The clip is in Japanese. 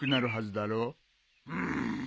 うん。